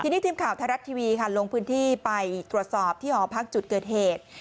ทีนี้ทีมข่าวไทยรัฐทีวีค่ะลงพื้นที่ไปตรวจสอบที่หอพักจุดเกิดเหตุ